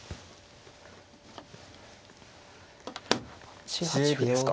８八歩ですか。